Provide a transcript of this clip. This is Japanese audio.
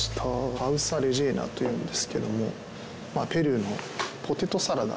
カウサ・レジェーナというんですけどもペルーのポテトサラダみたいな感じなんですね。